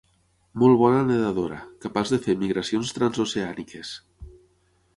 Molt bona nedadora, capaç de fer migracions transoceàniques.